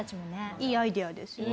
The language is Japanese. いいアイデアですよね。